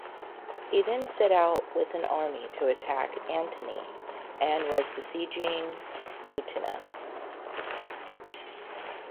He then set out with an army to attack Antony who was besieging Mutina.